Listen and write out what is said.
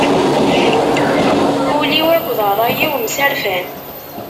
Ul-iw akked ṛṛay-iw mserfan.